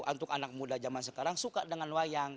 untuk anak muda zaman sekarang suka dengan wayang